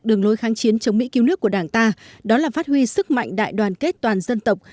đường lối kháng chiến chống mỹ cứu nước của đảng ta đó là phát huy sức mạnh đại đoàn kết toàn dân tộc